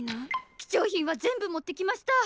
貴重品は全部持ってきました！